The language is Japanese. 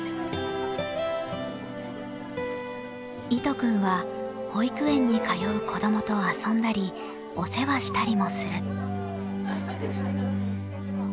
いと君は、保育園に通う子供と遊んだりお世話したりもする。